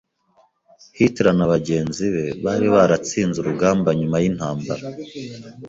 Hitler na bagenzi be bari baratsinze urugamba nyuma yintambara